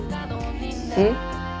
うん？